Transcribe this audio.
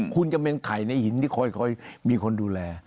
คุณจะเป็นไข่ในหินที่คอยมีคนดูแล